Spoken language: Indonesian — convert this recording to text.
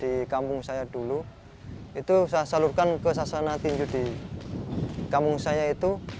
di kampung saya dulu itu saya salurkan ke sasana tinju di kampung saya itu